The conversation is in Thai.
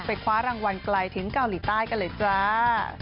คว้ารางวัลไกลถึงเกาหลีใต้กันเลยจ้า